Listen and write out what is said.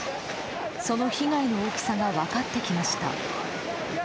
その被害の大きさが分かってきました。